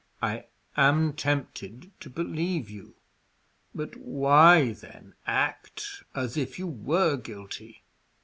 "I am tempted to believe you. But why, then, act as if you were guilty?